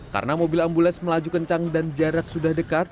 karena mobil ambulans melaju kencang dan jarak sudah dekat